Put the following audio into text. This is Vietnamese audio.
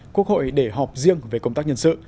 quốc hội để họp riêng về công tác nhân sự